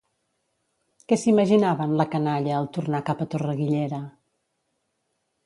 Què s'imaginaven, la canalla, al tornar cap a Torre-guillera?